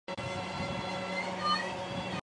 粘蓼为蓼科蓼属下的一个种。